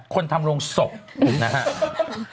คนทำโรงศพนะฮะ